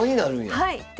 はい。